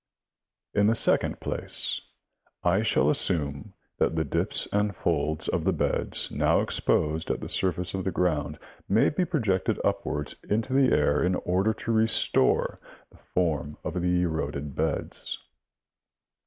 In the second place, I shall assume that the dips and folds of the beds now exposed at the surface of the ground may be pro jected upwards into the air in order to restore the form of the eroded beds.